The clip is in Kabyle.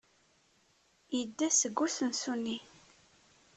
Yedda seg usensu-nni.